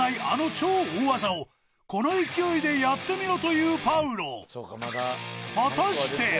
あの超大技をこの勢いでやってみろというパウロ果たして！？